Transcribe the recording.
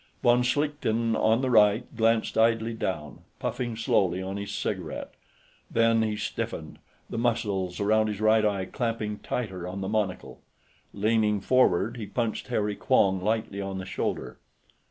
Von Schlichten, on the right, glanced idly down, puffing slowly on his cigarette. Then he stiffened, the muscles around his right eye clamping tighter on the monocle. Leaning forward, he punched Harry Quong lightly on the shoulder.